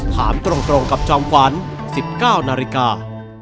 ถามตรงกับจอมขวัญ๑๙นาฬิกา